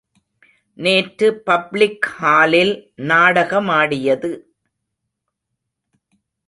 நேற்று பப்ளிக் ஹாலில் நாடகமாடியது?